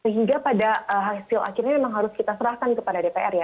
sehingga pada hasil akhirnya memang harus kita serahkan kepada dpr ya